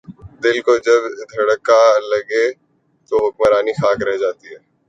دل کو جب دھڑکا لگ جائے تو حکمرانی خاک رہ جاتی ہے۔